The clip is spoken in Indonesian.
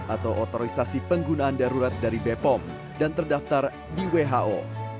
atau otorisasi penggunaan darurat dari bepom dan terdaftar di who